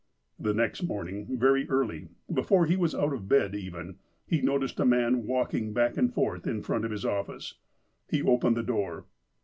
The next morning, very early, before he was out of bed even, he noticed a man walking back and forth in front of his office. He opened the door.